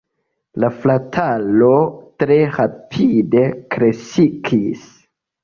La frataro tre rapide kreskis.